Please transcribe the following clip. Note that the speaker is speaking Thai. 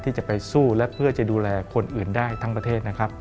ที่จะไปสู้และเพื่อจะดูแลคนอื่นได้ทั้งประเทศนะครับ